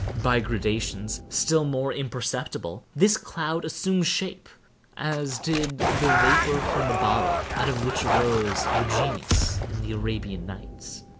By gradations, still more imperceptible, this cloud assumes shape, as did the vapor from the bottle out of which arose the genius in the Arabian Nights.